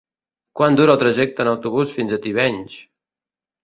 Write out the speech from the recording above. Quant dura el trajecte en autobús fins a Tivenys?